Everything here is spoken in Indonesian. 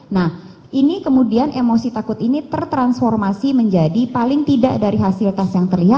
nah ini kemudian emosi takut ini tertransformasi menjadi paling tidak dari hasil tes yang terlihat